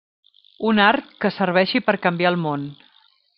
Un art que serveixi per canviar el món.